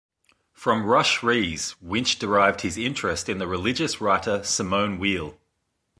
From Rush Rhees, Winch derived his interest in the religious writer Simone Weil.